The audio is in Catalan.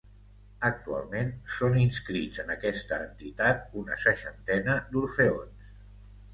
Actualment són inscrits en aquesta entitat una seixantena d'orfeons.